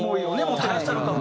持ってらっしゃるか。